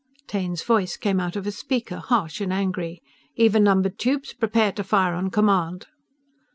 Taine's voice came out of a speaker, harsh and angry: "_Even numbered tubes prepare to fire on command.